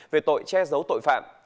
về tội che giấu tội phạm